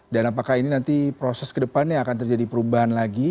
dan apakah ini nanti proses ke depannya akan terjadi perubahan lagi